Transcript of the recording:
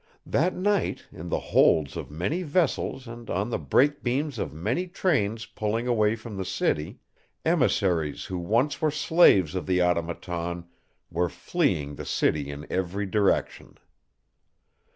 That night, in the holds of many vessels and on the brake beams of many trains pulling away from the city, emissaries who once were slaves of the Automaton were fleeing the city in every direction.